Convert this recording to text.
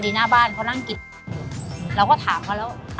พอดีหน้าบ้านเขานั่งกินเราก็ถามว่าแล้วอะไร้ป้า